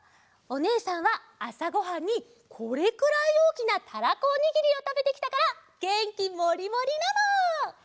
おねえさんはあさごはんにこれくらいおおきなたらこおにぎりをたべてきたからげんきモリモリなの！